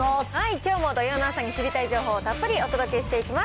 きょうも土曜の朝に知りたい情報をたっぷりお届けしていきます。